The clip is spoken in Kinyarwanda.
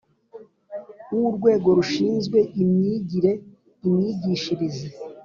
W urwego rushinzwe imyigire imyigishirize